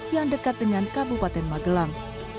yang dekat dengan kabupaten magelang